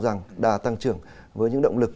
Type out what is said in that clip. rằng đã tăng trưởng với những động lực